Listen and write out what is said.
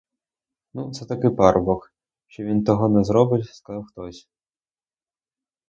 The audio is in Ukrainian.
Ну, це такий парубок, що він того не зробить, — сказав хтось.